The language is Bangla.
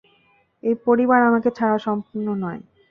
এই পরিবার আমাকে ছাড়া সম্পূর্ণ নয়।